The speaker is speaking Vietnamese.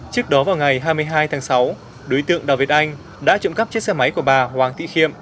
trước đó vào ngày hai mươi hai tháng sáu đối tượng đào việt anh đã trộm cắp chiếc xe máy của bà hoàng thị khiệm